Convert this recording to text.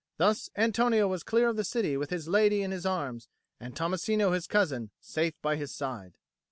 Thus Antonio was clear of the city with his lady in his arms and Tommasino his cousin safe by his side.